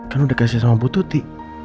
karena udah kasih sama bu tuti